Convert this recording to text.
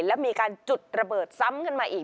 แล้วมีการจุดระเบิดซ้ำขึ้นมาอีก